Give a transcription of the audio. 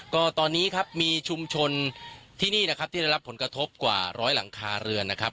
ก็ตอนนี้ครับมีชุมชนที่นี่นะครับที่ได้รับผลกระทบกว่าร้อยหลังคาเรือนนะครับ